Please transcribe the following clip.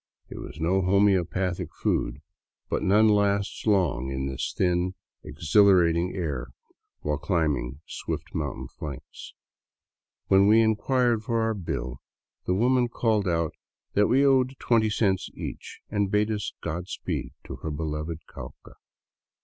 It was no homeopathic food, but none lasts long in this thin, exhilarating air, while climbing swift mountain flanks. When we inquired for our bill, the woman called out that we owed twenty cents each, and bade us Godspeed to her beloved Cauca.